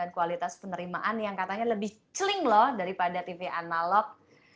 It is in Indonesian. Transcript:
dan kualitas penerimaan yang katanya lebih celing loh daripada tv analog